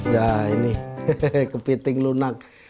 nah ini kepiting lunak